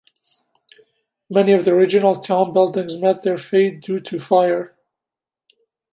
Many of the original town buildings met their fate due to fire.